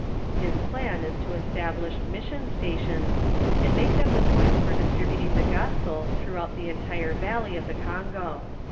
His plan is to establish mission stations, and make them the points f©r distributing the gospel throughout the entire valley of the Congo.